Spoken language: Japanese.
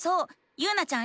ゆうなちゃん